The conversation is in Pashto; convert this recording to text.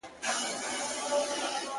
o پر ذهن مي را اوري ستا ګلاب ګلاب یادونه,